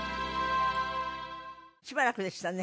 しばらくでしたね。